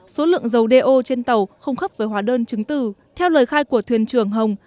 số lượng dầu do trên tàu không khớp với hóa đơn chứng tử theo lời khai của thuyền trưởng hồng